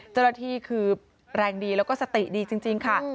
เจ้าหน้าที่คือแรงดีแล้วก็สติดีจริงค่ะ